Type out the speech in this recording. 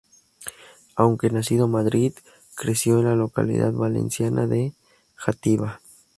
Aunque nacido Madrid, creció en la localidad valenciana de Játiva.